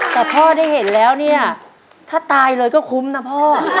แต่พ่อได้เห็นแล้วเนี่ยถ้าตายเลยก็คุ้มนะพ่อ